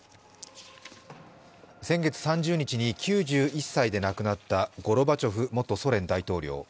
先月３０日に９１歳で亡くなったゴルバチョフ元ソ連大統領。